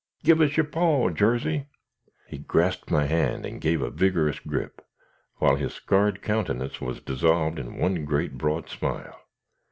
"Give us your paw, Jarsey." He grasped my hand and gave a vigorous gripe, while his scarred countenance was dissolved in one great broad smile.